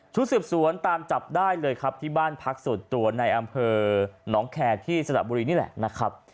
สืบสวนตามจับได้เลยครับที่บ้านพักส่วนตัวในอำเภอหนองแคร์ที่สระบุรีนี่แหละนะครับ